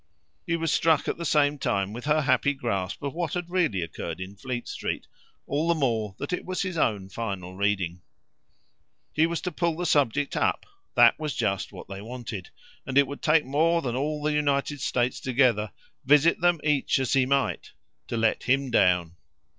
He was struck at the same time with her happy grasp of what had really occurred in Fleet Street all the more that it was his own final reading. He was to pull the subject up that was just what they wanted; and it would take more than all the United States together, visit them each as he might, to let HIM down.